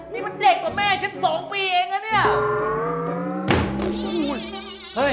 นี่มันเด็กกว่าแม่ฉัน๒ปีเองนะเนี่ย